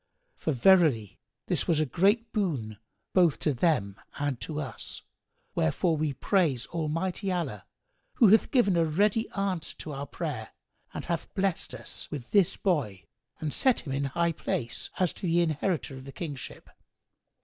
For verily, this was a great boon both to them and to us; wherefore we praise Almighty Allah who hath given a ready answer to our prayer and hath blessed us with this boy and set him in high place, as the inheritor of the kingship.